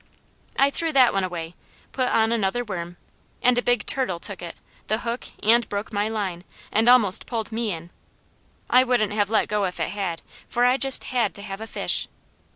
I threw that one away, put on another worm, and a big turtle took it, the hook, and broke my line, and almost pulled me in. I wouldn't have let go if it had, for I just had to have a fish.